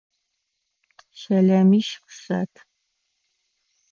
Щэлэмищ къысэт!